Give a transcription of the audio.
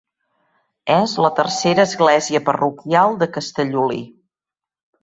És la tercera església parroquial de Castellolí.